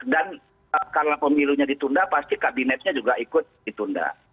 dan kalau pemilunya ditunda pasti kabinetnya juga ikut ditunda